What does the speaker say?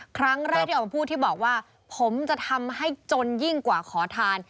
ครั้งแรกที่ออกมาพูดที่บอกว่าผมจะทำให้จนยิ่งกว่าขอทาน